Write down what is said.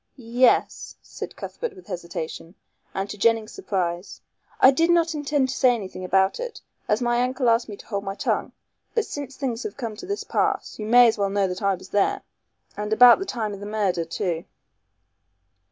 "Yes," said Cuthbert with hesitation, and to Jennings' surprise, "I did not intend to say anything about it, as my uncle asked me to hold my tongue. But since things have come to this pass, you may as well know that I was there and about the time of the murder too."